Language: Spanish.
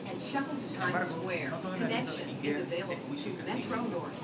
Sin embargo, no todo en el libro de Miqueas es juicio y castigo.